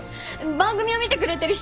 番組を見てくれてる視聴者に。